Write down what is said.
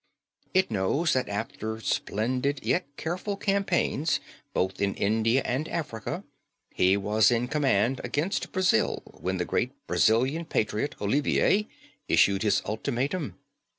It knows that after splendid yet careful campaigns both in India and Africa he was in command against Brazil when the great Brazilian patriot Olivier issued his ultimatum.